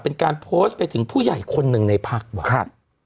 เป็นการโพสต์ไปถึงผู้ใหญ่คนหนึ่งในพักว่ะครับ